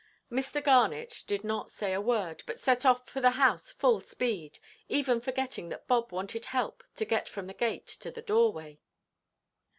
Mr. Garnet did not say a word, but set off for the house full speed, even forgetting that Bob wanted help to get from the gate to the doorway.